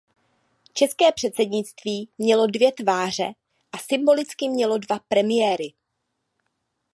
České předsednictví mělo dvě tváře a symbolicky mělo dva premiéry.